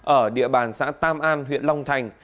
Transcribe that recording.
ở địa bàn xã tam an huyện long thành